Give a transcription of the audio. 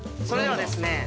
それではですね